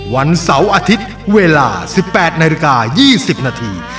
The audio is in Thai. วันเสาร์อาทิตย์เวลา๑๘นาฬิกา๒๐นาที